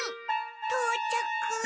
とうちゃく。